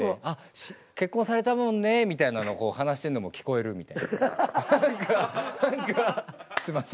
「あっ結婚されたもんね」みたいなのを話してるのも聞こえるみたいな。